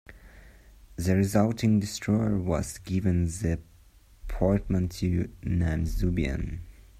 The resulting destroyer was given the portmanteau name "Zubian".